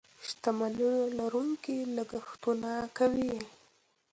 شتمنيو لرونکي لګښتونه کوي.